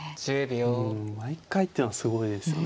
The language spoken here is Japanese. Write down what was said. うん毎回っていうのはすごいですよね。